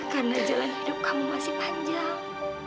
karena jalan hidup kamu masih panjang